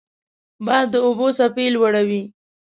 باد د اوبو څپې لوړوي